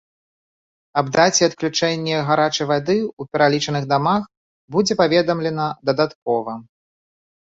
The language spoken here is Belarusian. Аб даце адключэння гарачай вады ў пералічаных дамах будзе паведамлена дадаткова.